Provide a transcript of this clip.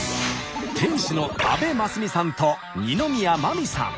店主の阿部真純さんと二宮真美さん。